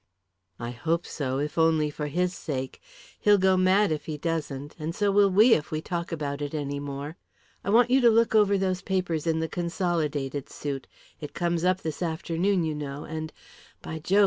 "I hope so, if only for his sake. He'll go mad if he doesn't and so will we, if we talk about it any more. I want you to look over those papers in the Consolidated suit. It comes up this afternoon, you know and, by Jove!